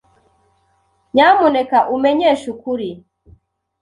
Nyamuneka umenyeshe ukuri.